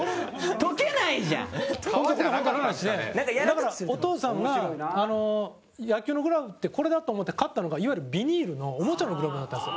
古田：お父さんが野球のグラブってこれだと思って買ったのがいわゆるビニールの、おもちゃのグローブだったんです。